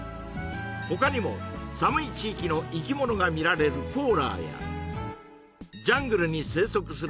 他にも寒い地域の生き物が見られる「ポーラー」やジャングルに生息する